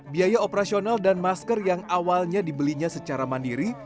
biaya operasional dan masker yang awalnya dibelinya secara mandiri